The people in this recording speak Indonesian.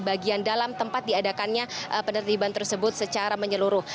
bagian dalam tempat diadakannya penertiban tersebut secara menyeluruh